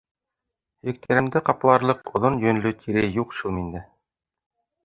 — Һөйәктәремде ҡапларлыҡ оҙон йөнлө тире юҡ шул миндә.